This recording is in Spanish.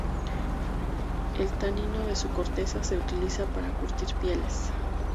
El tanino de su corteza se utiliza para curtir pieles.